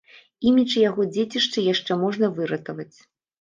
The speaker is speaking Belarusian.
Імідж яго дзецішча яшчэ можна выратаваць.